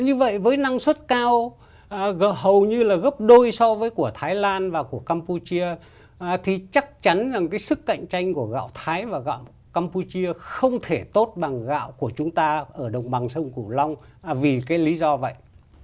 như vậy với năng suất cao hầu như là gấp đôi so với của thái lan và của campuchia thì chắc chắn rằng cái sức cạnh tranh của gạo thái và gạo campuchia không thể tốt bằng gạo của chúng ta ở đồng bằng sông củ long vì cái lý do vậy